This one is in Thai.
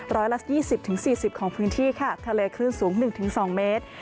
ร้อยละ๒๐๔๐ของพื้นที่ค่ะทะเลคลื่นสูง๑๒เมตร